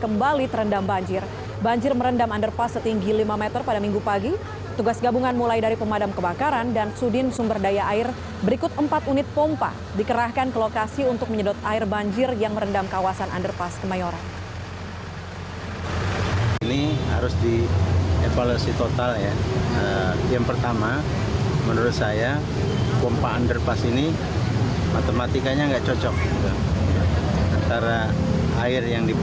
pemprov dki jakarta menunjukkan bahwa hujan ras yang mengguyur ibu kota juga akan segera melakukan perbaikan dengan memperlebar mulut saluran air